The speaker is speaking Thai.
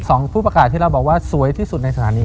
ผู้ประกาศที่เราบอกว่าสวยที่สุดในสถานี